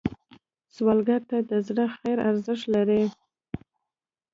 سوالګر ته د زړه خیر ارزښت لري